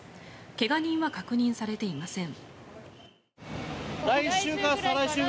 怪我人は確認されていません。